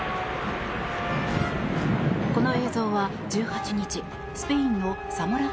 この映像は１８日スペインのサモラ